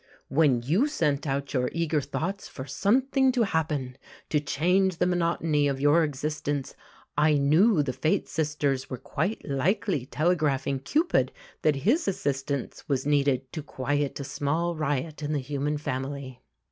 When you sent out your eager thoughts for "something to happen," to change the monotony of your existence, I knew the Fate sisters were quite likely telegraphing Cupid that his assistance was needed to quiet a small riot in the human family.